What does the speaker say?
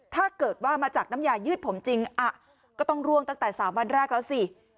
ถ้าเกิดว่ามาจากน้ำยายืดผมจริงก็ต้องร่วงตั้งแต่๓วันแรกแล้วสิ